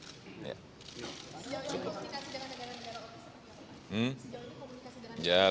sejauh ini komunikasi dengan negara negara